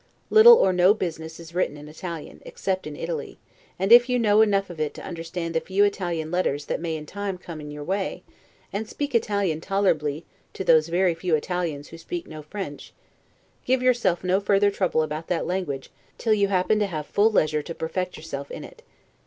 Little or no business is written in Italian, except in Italy; and if you know enough of it to understand the few Italian letters that may in time come in your way, and to speak Italian tolerably to those very few Italians who speak no French, give yourself no further trouble about that language till you happen to have full leisure to perfect yourself in it.